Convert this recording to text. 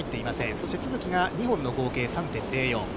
そして都筑が２本の合計３．５４。